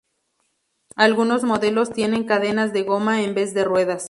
Algunos modelos tienen cadenas de goma en vez de ruedas.